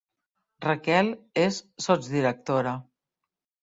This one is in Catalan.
Raquel és sots-directora